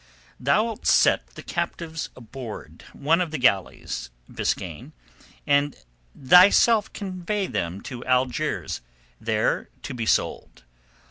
"Thou'lt set the captives aboard one of the galleys, Biskaine, and thyself convey them to Algiers, there to be sold.